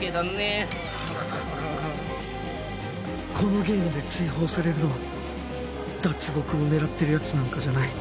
このゲームで追放されるのは脱獄を狙ってる奴なんかじゃない